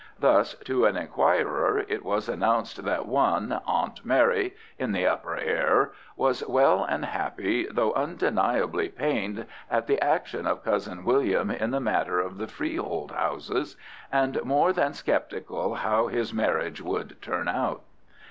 Thus, to an inquirer it was announced that one, Aunt Mary, in the Upper Air, was well and happy, though undeniably pained at the action of Cousin William in the matter of the freehold houses, and more than sceptical how his marriage would turn out.